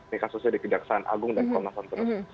ini kasusnya di kedaksaan agung dan komnasan